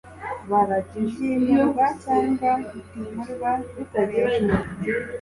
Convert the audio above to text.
byimurwa cyangwa bitimurwa bikoreshwa